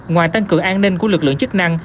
ngoài tăng cường an ninh của lực lượng chức năng